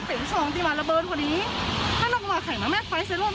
ตั้งแต่ช่วงที่มาระเบิดพอดีถ้าน้องกำลังมาแข่งน้ำแม่ไฟใส่รถน้อง